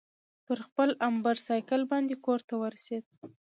پر خپل امبرسایکل باندې کورته ورسېد.